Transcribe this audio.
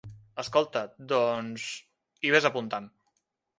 Escolta, doncs, i ves apuntant.